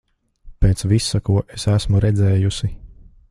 Pēc visa, ko es esmu redzējusi...